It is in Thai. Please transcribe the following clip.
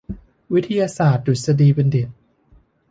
วิทยาศาสตร์ดุษฎีบัณฑิต